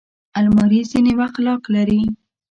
الماري ځینې وخت لاک لري